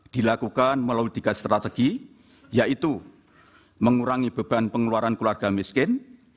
dilakukan melalui tiga strategi yaitu mengurangi beban pengeluaran keluarga miskin